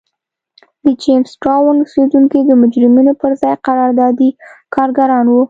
د جېمز ټاون اوسېدونکي د مجرمینو پر ځای قراردادي کارګران وو.